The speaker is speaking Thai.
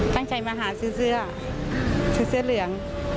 ตั้งใจมาหาซื้อเสื้อซื้อเสื้อเหลือง